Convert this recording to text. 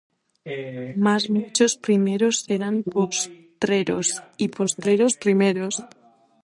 Mas muchos primeros serán postreros, y postreros primeros.